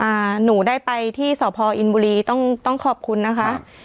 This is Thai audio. หนูได้ไปที่สพอินบุรีต้องต้องขอบคุณนะคะ